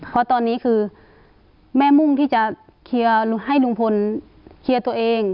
เพราะตอนนี้คือแม่มุ่งที่จะเคลียร์ให้ลุงพลเคลียร์ตัวเอง